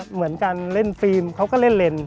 เหมือนการเล่นฟิล์มเขาก็เล่นเลน